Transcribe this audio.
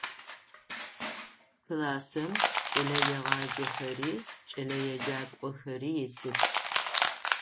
Классым кӏэлэегъаджэхэри кӏэлэеджакӏохэри исых.